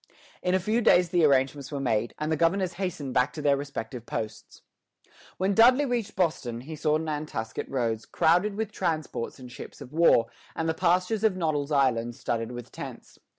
In a few days the arrangements were made, and the governors hastened back to their respective posts. When Dudley reached Boston, he saw Nantasket Roads crowded with transports and ships of war, and the pastures of Noddle's Island studded with tents.